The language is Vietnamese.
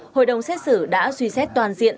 hội đồng xét xử đã suy xét toàn diện